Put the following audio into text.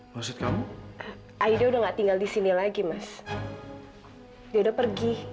maksud kamu ayah udah gak tinggal di sini lagi mas dia udah pergi